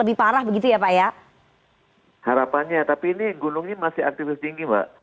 harapannya tapi ini gunungnya masih aktivitas tinggi pak